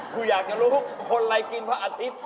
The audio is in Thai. กูอยากจะรู้คนอะไรกินพระอาทิตย์